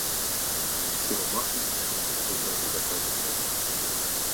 — Сиромаси сме — прибърза да каже кметът.